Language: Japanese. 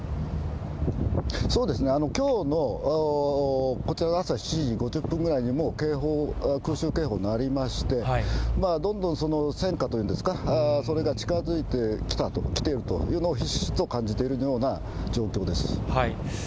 そうですね、きょうのこちらの朝７時５０分ぐらいにも警報、空襲警報鳴りまして、どんどん戦火というんですか、それが近づいてきているというのをひしひしと感じているような状況です。